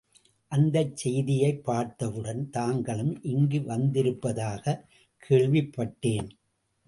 அந்தச் செய்தியைப் பார்த்தவுடன், தாங்களும் இங்கு வந்திருப்பதாகக் கேள்விப்பட்டேன்.